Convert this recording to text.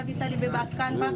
bisa dibebaskan pak